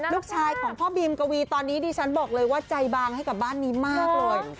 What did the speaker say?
ลูกชายของพ่อบีมกวีตอนนี้ดิฉันบอกเลยว่าใจบางให้กับบ้านนี้มากเลย